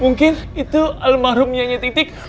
mungkin itu almarhum nyanya titik